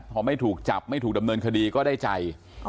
พอไม่ถูกจับไม่ถูกดำเนินคดีก็ได้ใจ